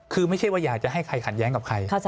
คือไม่ใช่ว่าอยากจะให้ใครขัดแย้งกับใคร